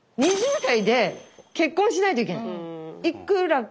２０代で結婚しないといけない。